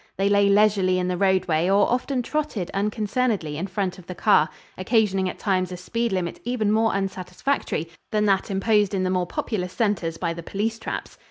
They lay leisurely in the roadway or often trotted unconcernedly in front of the car, occasioning at times a speed limit even more unsatisfactory than that imposed in the more populous centers by the police traps.